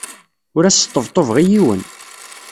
Ur as-sṭebṭubeɣ i yiwen.